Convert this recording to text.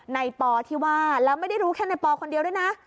ปอที่ว่าแล้วไม่ได้รู้แค่ในปอคนเดียวด้วยนะ